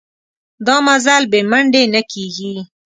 دا مزل بې منډې نه کېږي.